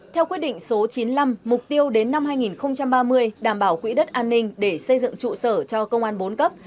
theo quyết định số chín mươi năm mục tiêu đến năm hai nghìn ba mươi đảm bảo quỹ đất an ninh để xây dựng trụ sở cho công an bốn cấp